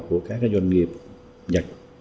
của các doanh nghiệp nhật